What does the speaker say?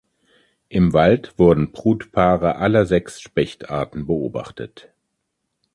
Im Wald wurden Brutpaare aller sechs Spechtarten beobachtet.